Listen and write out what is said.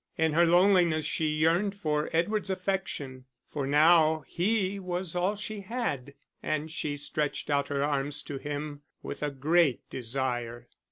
In her loneliness she yearned for Edward's affection; for now he was all she had, and she stretched out her arms to him with a great desire.